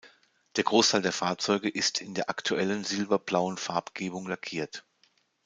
Der Großteil der Fahrzeuge ist in der aktuellen silber-blauen Farbgebung lackiert.